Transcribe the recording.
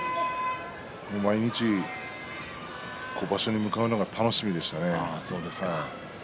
毎日、場所に向かうのが楽しみでしたね。